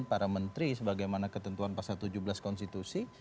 para menteri sebagaimana ketentuan pasal tujuh belas konstitusi